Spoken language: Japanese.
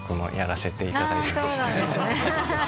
そうなんですね。